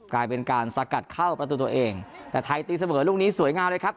กลายเป็นการสกัดเข้าประตูตัวเองแต่ไทยตีเสมอลูกนี้สวยงามเลยครับ